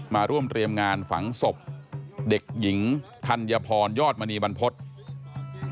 มาร่วมเรียมงานฝังศพเด็กหญิงทันยพรยอดมณีวันพจน์